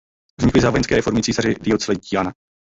Vznikly za vojenské reformy císaře Diocletiana.